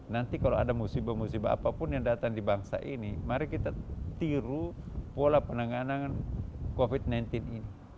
nanti kalau ada musibah musibah apapun yang datang di bangsa ini mari kita tiru pola penanganan covid sembilan belas ini